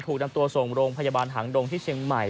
ถูกนำตัวส่งโรงพยาบาลหางดงที่เชียงใหม่